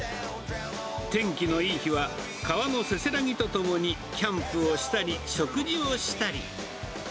天気のいい日は川のせせらぎとともに、キャンプをしたり食事をしたり。